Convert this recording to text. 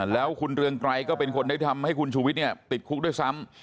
แล้วคุณเรืองไกรก็เป็นคนที่ทำให้คุณชูวิทย์ติดคุกด้วยซ้ำ